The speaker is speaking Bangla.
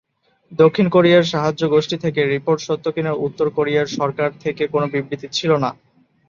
দক্ষিণ কোরিয়ার সাহায্য গোষ্ঠী থেকে রিপোর্ট সত্য কিনা উত্তর কোরিয়ার সরকার থেকে কোন বিবৃতি ছিল না।